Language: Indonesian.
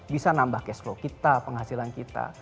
bisa nambah cash flow kita penghasilan kita